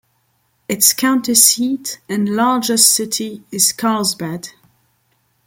Its county seat and largest city is Carlsbad.